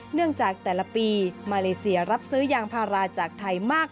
เนื่องจากแต่ละปีมาเลเซียรับซื้อยางพาราจากไทยมาก